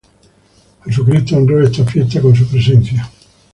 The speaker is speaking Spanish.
Jesucristo honró esta fiesta con su presencia, "Joan.